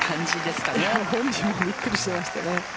本人もびっくりしていましたね。